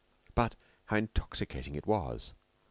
But how intoxicating it was!